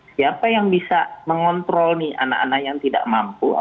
siapa yang bisa mengontrol nih anak anak yang tidak mampu